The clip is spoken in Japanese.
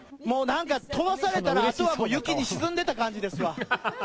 もうなんか飛ばされたら、あとは雪に沈んでた感じですわ。